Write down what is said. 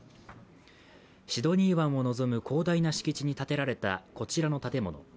シドニー湾をのぞむ広大な敷地に建てられたこちらの建物。